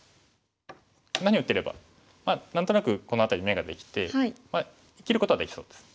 こんなふうに打ってれば何となくこの辺り眼ができて生きることはできそうです。